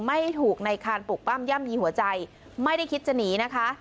ไม่ถูกในคานปลูกปั้มย่ำยีหัวใจไม่ได้คิดจะหนีนะคะ